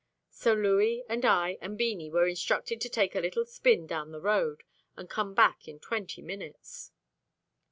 So Louis and I and Beanie were instructed to take a little spin down the road, and come back in twenty minutes.